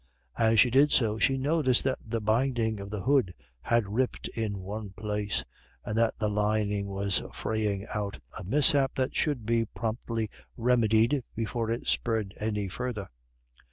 As she did so she noticed that the binding of the hood had ripped in one place, and that the lining was fraying out, a mishap which should be promptly remedied before it spread any further.